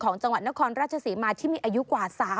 จังหวัดนครราชศรีมาที่มีอายุกว่า